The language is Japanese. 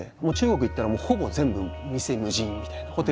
もう中国行ったらほぼ全部店無人みたいな。